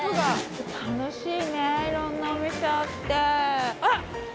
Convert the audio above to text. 楽しいね色んなお店あってあっ！